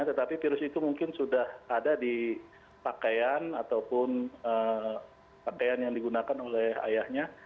tetapi virus itu mungkin sudah ada di pakaian ataupun pakaian yang digunakan oleh ayahnya